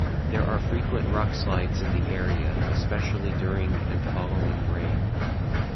There are frequent rockslides in the area, especially during and following rain.